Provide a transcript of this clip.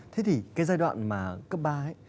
thế thì cái giai đoạn mà cấp ba ấy